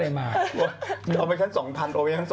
บอกไอ้หนุ่มเอามาให้ไข่ขึ้น๒๐๐๐บาท